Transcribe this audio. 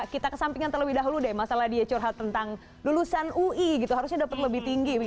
kita kesampingan terlebih dahulu deh masalah dia curhat tentang lulusan ui gitu harusnya dapat lebih tinggi